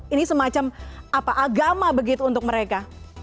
ini semacam apa agama begitu untuk mereka